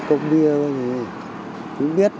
chú làm việc đi chú làm việc đi